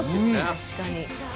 確かに。